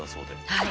はい。